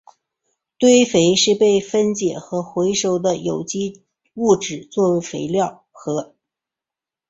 堆肥是被分解和回收的有机物质作为肥料和。